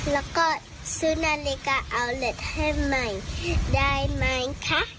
แล้วก็ซื้อนาฬิกาอัลเล็ตให้ใหม่ได้ไหมคะ